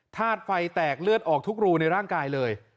ธาตุไฟแตกเลือดออกทุกรูในร่างกายเลย